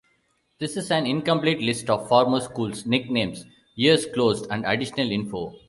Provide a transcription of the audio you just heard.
This is an incomplete list of former schools, nicknames, years closed, and additional info.